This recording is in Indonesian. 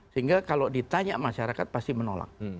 sehingga kalau ditanya masyarakat pasti menolak